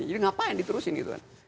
jadi ngapain diterusin gitu kan